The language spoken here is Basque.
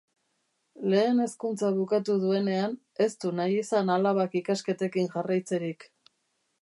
Lehen hezkuntza bukatu duenean, ez du nahi izan alabak ikasketekin jarraitzerik.